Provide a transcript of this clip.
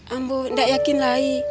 aku gak yakin lagi